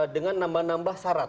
dengan nambah nambah syarat